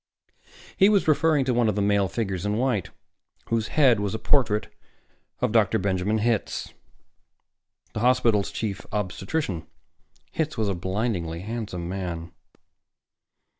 He was referring to one of the male figures in white, whose head was a portrait of Dr. Benjamin Hitz, the hospital's Chief Obstetrician. Hitz was a blindingly handsome man.